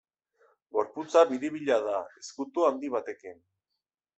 Gorputza biribila da, ezkutu handi batekin.